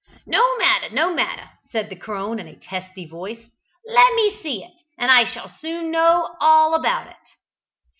"No matter, no matter," said the crone in a testy voice; "let me see it, and I shall soon know all about it."